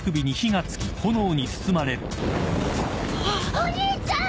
お兄ちゃん！